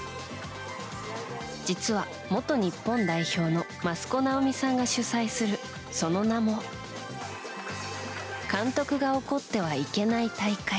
実は元日本代表の益子直美さんが主催するその名も監督が怒ってはいけない大会。